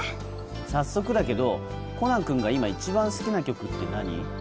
早速だけど、コナン君が今、一番好きな曲って何？